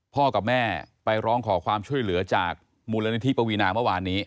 กับแม่ไปร้องขอความช่วยเหลือจากมูลนิธิปวีนาเมื่อวานนี้